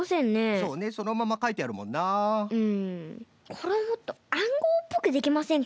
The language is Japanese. これもっとあんごうっぽくできませんかね。